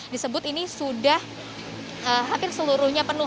disebut ini sudah hampir seluruhnya penuh